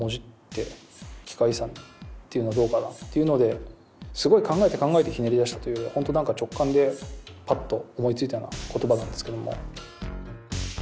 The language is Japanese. っていうのはどうかなっていうのですごい考えて考えてひねり出したというよりはほんとなんか直感でパッと思いついたような言葉なんですけども。